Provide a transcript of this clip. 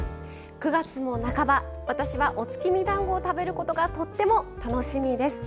９月も半ば私は、お月見だんごを食べることがとっても楽しみです。